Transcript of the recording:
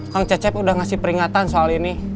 kang cecep udah ngasih peringatan soal ini